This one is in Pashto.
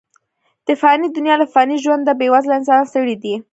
د فاني دنیا له فاني ژونده، بې وزله انسانان ستړي دي.